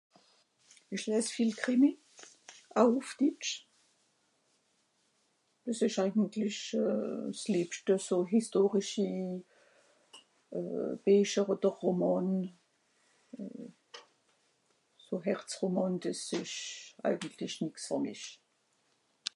Ìch lèès vìel Krimmi. Au ùf ditsch. Dìs ìsch eigentlich euh... s'lìebschte so historischi euh... bìecher odder Romàn, so Herzromàn dìs ìsch eigentlich nìx fer mich.